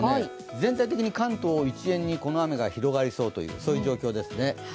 全体的に関東一円にこの雨が広がりそうという状況ですね。